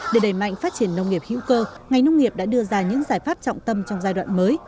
để đẩy mạnh phát triển nông nghiệp hữu cơ ngành nông nghiệp đã đưa ra những giải pháp trọng tâm trong giai đoạn mới